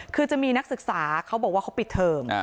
คือจะมีนักศึกษาเขาบอกว่าเขาปิดเทอม